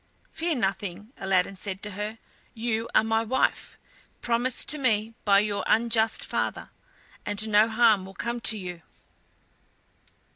"Fear nothing," Aladdin said to her; "you are my wife, promised to me by your unjust father, and no harm will come to you."